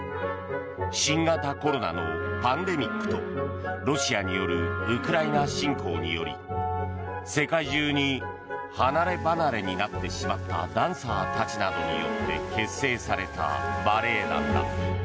新型コロナのパンデミックとロシアによるウクライナ侵攻により世界中に離ればなれになってしまったダンサーたちなどによって結成されたバレエ団だ。